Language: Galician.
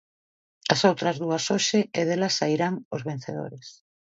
As outras dúas hoxe, e delas sairán os vencedores.